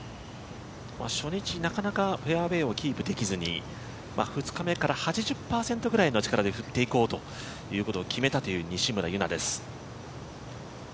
初日、なかなかフェアウエーをキープできずに２日目から８０％ぐらいの力で振っていこうということを決めたという西村優菜です。